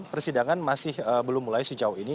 persidangan masih belum mulai sejauh ini